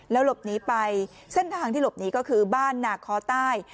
หลบหนีไปเส้นทางที่หลบหนีก็คือบ้านหนาคอใต้